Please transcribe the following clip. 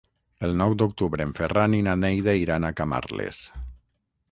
El nou d'octubre en Ferran i na Neida iran a Camarles.